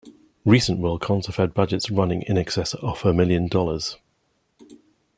Recent Worldcons have had budgets running in excess of a million dollars.